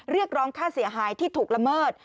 เรียกร้องค่าเสียหายที่ถูกละเมิด